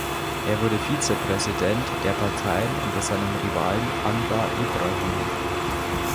Er wurde Vizepräsident der Partei unter seinem Rivalen Anwar Ibrahim.